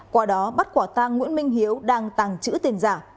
qua đó bắt quả tang nguyễn minh hiếu đang tàng trữ tiền giả